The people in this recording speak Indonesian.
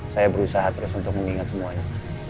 saya berusaha terus untuk mengingat semuanya